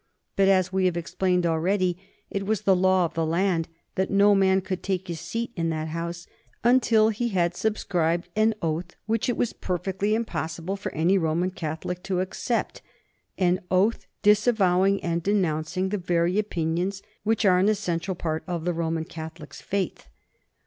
But, as we have explained already, it was the law of the land that no man could take his seat in that House until he had subscribed an oath which it was perfectly impossible for any Roman Catholic to accept, an oath disavowing and denouncing the very opinions which are an essential part of the Roman Catholic's faith.